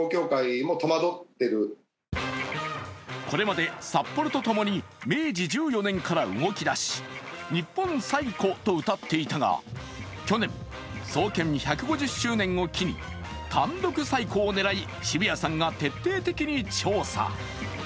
これまで札幌とともに明治１４年から動き出し、日本最古とうたっていたが去年、創建１５０周年を機に単独最古を狙い、渋谷さんが徹底的に調査。